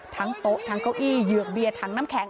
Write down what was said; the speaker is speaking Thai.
โต๊ะทั้งเก้าอี้เหยือกเบียร์ทั้งน้ำแข็ง